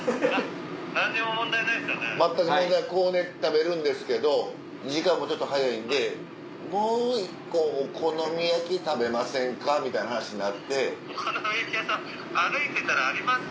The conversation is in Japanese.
全く問題こうね食べるんですけど時間もちょっと早いんでもう１個お好み焼き食べませんかみたいな話になって。